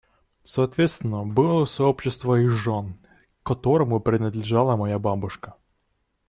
Соответственно, было сообщество их жен, к которому принадлежала моя бабушка.